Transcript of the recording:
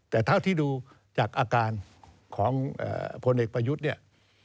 แต่เท่าที่ดูจากอาการของพลเอกประยุทธ์เนี่ย